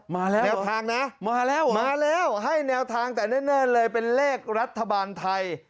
มาแล้วเหรอมาแล้วเหรอมาแล้วให้แนวทางแต่เน่นเลยเป็นเลขรัฐบาลไทย